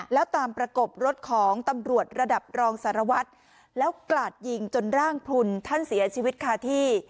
แล้วตามประกบรถของตำรวจระดับรองสารวัตรแล้วกราดยิงจนร่างพลุนท่านเสียชีวิตคาที่